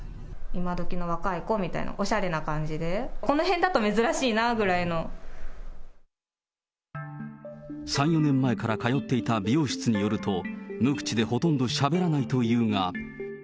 今どきの若い子みたいな、おしゃれな感じで、この辺だと珍しいなぐらいの３、４年前から通っていた美容室によると、無口でほとんどしゃべらないというが。